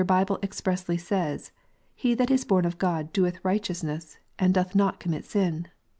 Bible expressly says, " He that is born of God doeth righteous jness, and doth not commit sin"?